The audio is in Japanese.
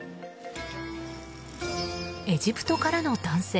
エジプトからの男性。